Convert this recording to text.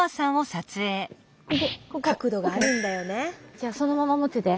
じゃあそのまま持ってて。